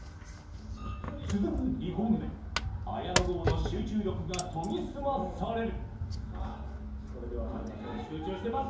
続く２本目、綾野剛の集中力が研ぎ澄まされる。